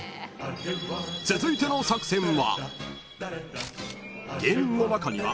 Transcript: ［続いての作戦は］